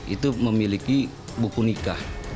itu memiliki buku nikah